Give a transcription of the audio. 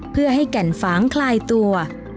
เพื่อให้แก่นฝางคลายตัว